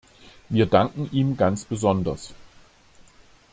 Wir danken ihm ganz besonders.